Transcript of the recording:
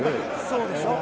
そうでしょ？